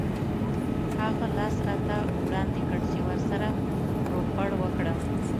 هغه لاس راته وړاندې کړ چې ورسره روغبړ وکړم.